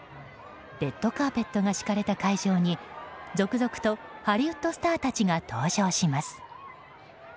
レッドカーペットが敷かれた会場に続々とハリウッドスターたちが登場します。